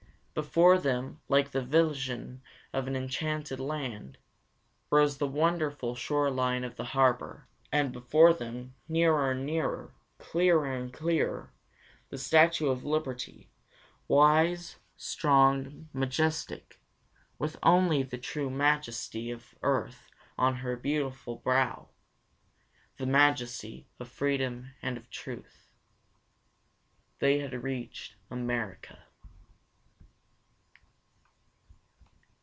Before them, like the vision of an enchanted land, rose the wonderful shore line of the harbor; and before them, nearer and nearer, clearer and clearer, the Statue of Liberty, wise, strong, majestic, with the only true majesty of earth on her beautiful brow, the majesty of Freedom and of Truth. They had reached America.